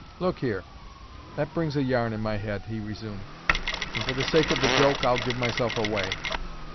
"Look here, that brings a yarn in my head," he resumed; "and for the sake of the joke, I'll give myself away.